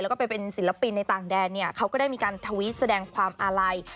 แล้วก็ไปเป็นศิลปินในต่างแดนเนี่ยเขาก็ได้มีการทวิตแสดงความอาลัย